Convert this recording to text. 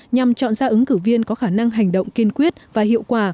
nhằm chọn ra ứng cử viên có khả năng hành động kiên quyết và hiệu quả